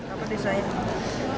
apa desa ini